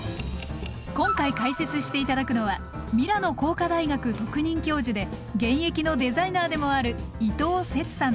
今回解説していただくのはミラノ工科大学特任教授で現役のデザイナーでもある伊藤節さんです。